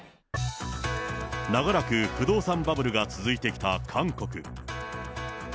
長らく不動産バブルが続いてきた韓国。